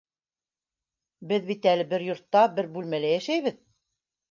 ? Беҙ бит әле бер йортта, бер бүлмәлә йәшәйбеҙ.